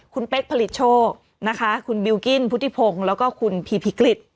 คุณเป๊กผลิตโชคนะคะคุณบิลกิ้นพุทธิพงศ์แล้วก็คุณพีพีกฤษ